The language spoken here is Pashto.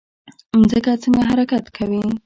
ځمکه څنګه حرکت کوي؟